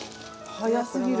早すぎる。